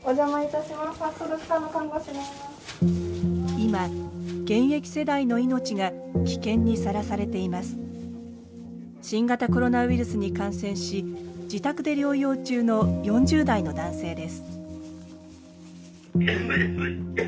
今新型コロナウイルスに感染し自宅で療養中の４０代の男性です。